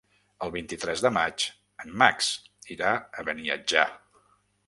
El vint-i-tres de maig en Max irà a Beniatjar.